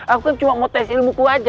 aku kan cuma mau tes ini